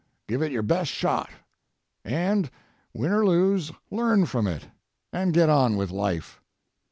Give it your best shot. And win or lose, learn from it, and get on with life.